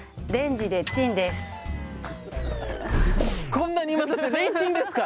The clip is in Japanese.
こんなに待たせてレンチンですか。